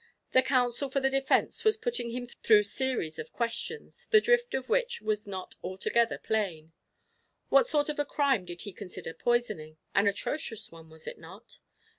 The counsel for the defence was putting him through series of questions, the drift of which was not altogether plain. What sort of a crime did he consider poisoning? An atrocious one, was it not?